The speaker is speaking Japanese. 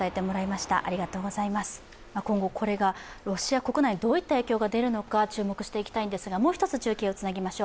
今後これがロシア国内、どういった影響が出るのか、注目していきたいんですが、もう一つ中継をつなぎます。